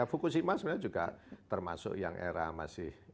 fukushima sebenarnya juga termasuk yang era masih